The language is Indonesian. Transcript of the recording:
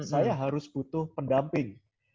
saya harus butuh pendamping